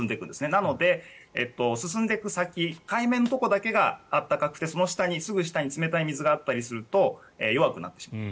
なので、進んでいく先海面のところだけが暖かくてすぐ下に冷たい水があったりすると弱くなってしまう。